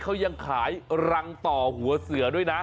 เขายังขายรังต่อหัวเสือด้วยนะ